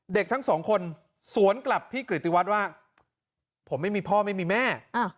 เด็กทั้งสองคนสวนกลับพี่กริติวัฒน์ว่าผมไม่มีพ่อไม่มีแม่